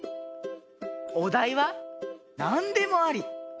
おだいはなんでもあり。